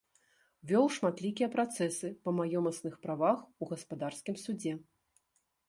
Вёў шматлікія працэсы па маёмасных правах у гаспадарскім судзе.